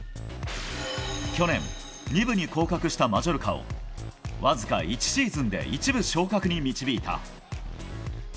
去年、２部に降格したマジョルカをわずか１シーズンで１部昇格に導いた。